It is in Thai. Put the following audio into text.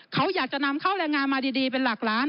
เขาอยากจะนำเข้าแรงงานมาดีเป็นหลักล้าน